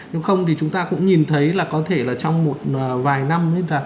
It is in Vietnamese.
nếu không thì chúng ta cũng nhìn thấy là có thể là trong một vài năm